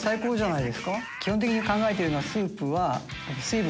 基本的に考えてるのはスープは笠岡さん）